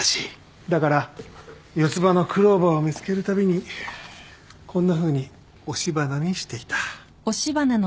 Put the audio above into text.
だから四つ葉のクローバーを見つけるたびにこんなふうに押し花にしていた。